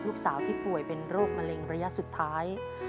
ลูกสาวที่ป่วยเป็นโรคมะเร็งระยะสุดท้าย